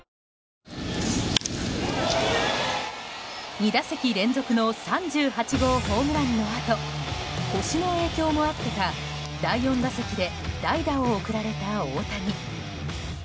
２打席連続の３８号ホームランのあと腰の影響もあってか第４打席で代打を送られた大谷。